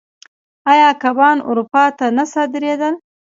آیا کبان اروپا ته نه صادرېدل؟